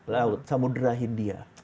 laut samudera india